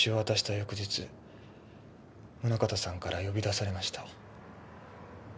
翌日宗形さんから呼び出されました。